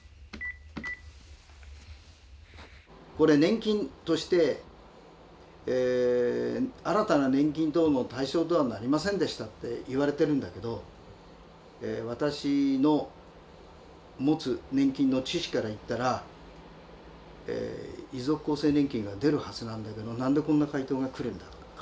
これ年金として新たな年金等の対象とはなりませんでしたと言われてるんだけど私の持つ年金の知識から言ったら遺族厚生年金が出るはずなんだけど何でこんな回答が来るんだろうか。